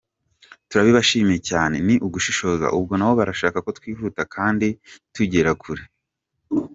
Turabibashimiye cyane ni ugushishoza, ubwo nabo barashaka ko twihuta kandi tugera kure.